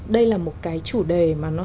đây là một cái chủ đề mà nó